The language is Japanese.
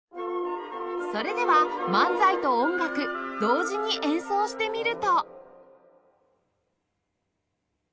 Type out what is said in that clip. それでは漫才と音楽同時に演奏してみると